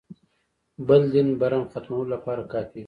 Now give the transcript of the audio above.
بل دین برم ختمولو لپاره کافي وي.